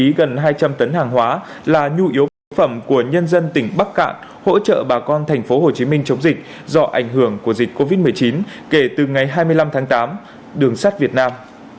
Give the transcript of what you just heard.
tổ chức xếp và vận chuyển miễn phí gần hai trăm linh tấn hàng hóa là nhu yếu bản phẩm của nhân dân tỉnh bắc cạn hỗ trợ bà con tp hcm chống dịch do ảnh hưởng của dịch covid một mươi chín kể từ ngày hai mươi năm tháng tám đường sắt việt nam